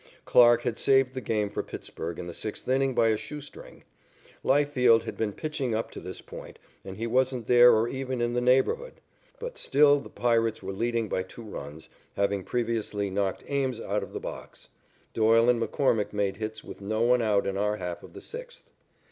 Clarke had saved the game for Pittsburg in the sixth inning by a shoe string. Leifield had been pitching up to this point, and he wasn't there or even in the neighborhood. But still the Pirates were leading by two runs, having previously knocked Ames out of the box. Doyle and McCormick made hits with no one out in our half of the sixth.